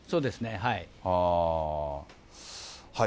はい。